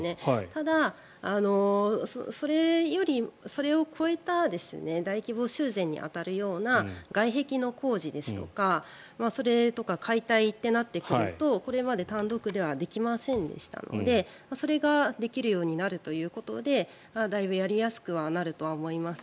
ただ、それを超えた大規模修繕に当たるような外壁の工事ですとかそれとか解体ってなってくるとこれまで単独ではできませんでしたのでそれができるようになるということでだいぶやりやすくはなると思います。